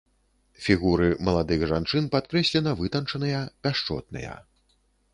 Фігуры маладых жанчын падкрэслена вытанчаныя, пяшчотныя.